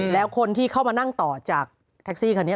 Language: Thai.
แล้วคนที่เข้ามานั่งต่อจากแท็กซี่คันนี้